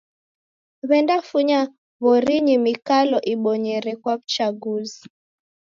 W'endafunya w'orinyi mikalo ibonyero kwa w'uchaguzi.